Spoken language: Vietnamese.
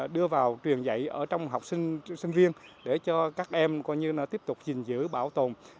đưa vào truyền dạy ở trong học sinh sinh viên để cho các em coi như là tiếp tục gìn giữ bảo tồn